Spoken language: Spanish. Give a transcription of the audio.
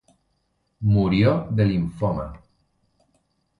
Murió de linfoma.